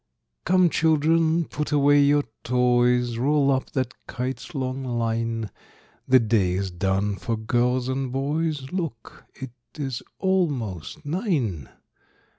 "Come, children, put away your toys; Roll up that kite's long line; The day is done for girls and boys Look, it is almost nine!